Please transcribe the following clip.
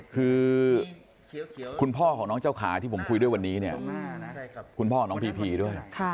คือคุณพ่อของน้องเจ้าขาที่ผมคุยด้วยวันนี้เนี่ยคุณพ่อของน้องพีพีด้วย